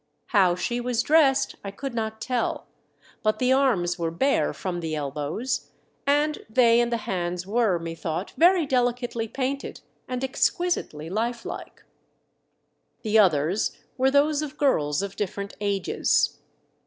How she was dressed I could not tell, but the arms were bare from the elbows, and they and the hands were, methought, very delicately painted and exqui sitely life like. The others were those of girls of different ages.